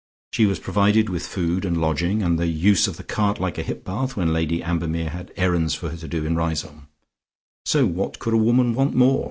She was provided with food and lodging and the use of the cart like a hip bath when Lady Ambermere had errands for her to do in Riseholme, so what could a woman want more?